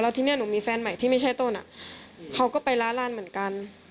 ทีนี้หนูมีแฟนใหม่ที่ไม่ใช่ต้นเขาก็ไปล้าร้านเหมือนกัน